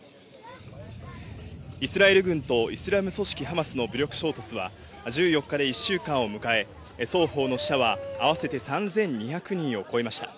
イスラエル軍とイスラム組織ハマスの武力衝突は、１４日で１週間を迎え、双方の死者は合わせて３２００人を超えました。